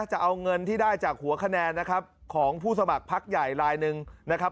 จะเอาเงินที่ได้จากหัวคะแนนนะครับของผู้สมัครพักใหญ่ลายหนึ่งนะครับ